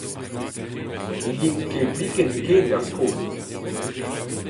Ne yin ket biken ken d'ar skol